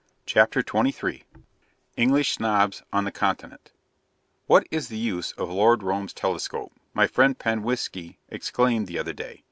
CHAPTER XXIII ENGLISH SNOBS ON THE CONTINENT 'WHAT is the use of Lord Rome's telescope?' my friend Panwiski exclaimed the other day.